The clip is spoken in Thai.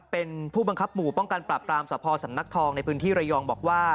เป็นผู้บังคับหมู่ป้องกันปราบปรามสภสำนักทองในพื้นที่ระยองบอกว่า